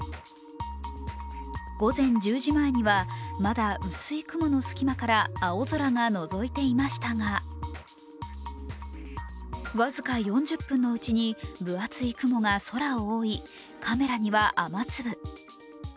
午前１０時前には、まだ薄い雲の隙間から青空がのぞいていましたが僅か４０分のうちに分厚い雲が空を覆い、カメラには雨粒。